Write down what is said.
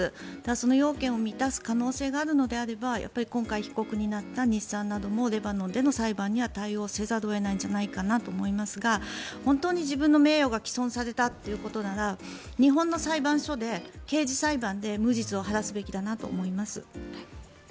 その要件を満たす可能性があるのであれば今回、被告になった日産などもレバノンでの裁判には対応せざるを得ないんじゃないかなと思いますが本当に自分の名誉が毀損されたということなのであれば日本の裁判所で刑事裁判で無実を晴らすべきだなと思います。